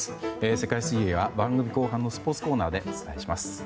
世界水泳は番組後半のスポーツコーナーでお伝えします。